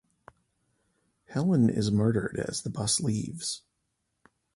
Helen is murdered as the bus leaves.